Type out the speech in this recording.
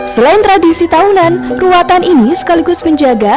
selain tradisi tahunan ruatan ini sekaligus menjaga